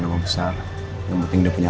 nama besar yang penting dia punya